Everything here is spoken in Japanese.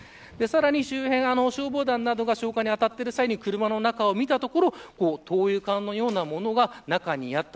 周辺の消防団などが消火にあたっていた際車の中を見たところ灯油缶のようなものが中にあった。